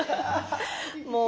もう！